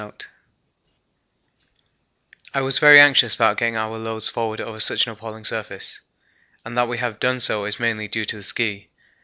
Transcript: I was very anxious about getting our loads forward over such an appalling surface, and that we have done so is mainly due to the ski.